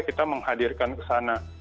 kita menghadirkan ke sana